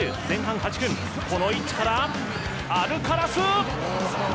前半８分、この位置からアルカラス。